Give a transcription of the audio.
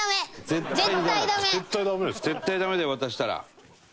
絶対ダメだよ渡したら。